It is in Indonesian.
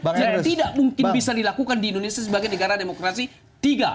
yang tidak mungkin bisa dilakukan di indonesia sebagai negara demokrasi tiga